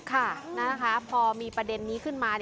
ค่ะนะคะพอมีประเด็นนี้ขึ้นมา